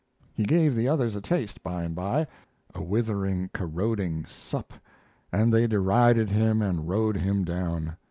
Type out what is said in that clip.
He gave the others a taste by and by a withering, corroding sup and they derided him and rode him down.